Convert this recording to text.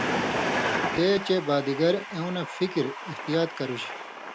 تے چےۡ بادِگر اېوں نہ فِکر (احتیاط) کرُژ۔